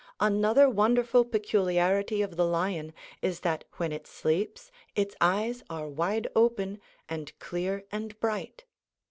Another wonderful peculiarity of the lion is that when it sleeps its eyes are wide open, and clear and bright.